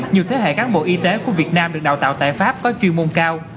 nhiều thế hệ cán bộ y tế của việt nam được đào tạo tại pháp có chuyên môn cao